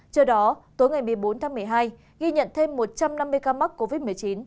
trước đó tối ngày một mươi bốn tháng một mươi hai ghi nhận thêm một trăm năm mươi ca mắc covid một mươi chín